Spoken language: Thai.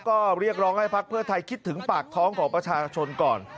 ก็เรียกร้องให้พักเพื่อไทยคิดถึงปากท้องของประชาชนก่อน